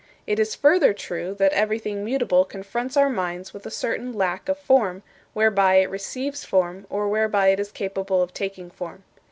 It is further true that everything mutable confronts our minds with a certain lack of form, whereby it receives form, or whereby it is capable of taking form.